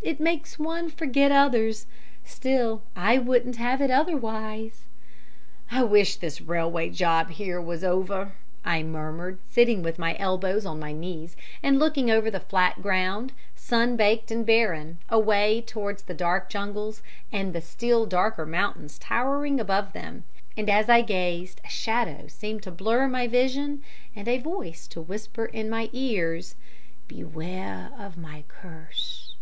It makes one forget others. Still, I wouldn't have it otherwise.' "'I wish this railway job here was over,' I murmured, sitting with my elbows on my knees and looking over the flat ground, sun baked and barren, away towards the dark jungles and the still darker mountains towering above them; and as I gazed a shadow seemed to blur my vision and a voice to whisper in my ears, 'Beware of my curse.'